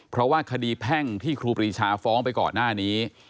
เพราะว่าคดีแพ่งที่ครูปรีชาฟ้องไปก่อนหน้านี้